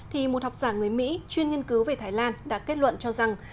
thì một học giả người mỹ chuyên nghiên cứu về thái lan đã kết luận cho rằng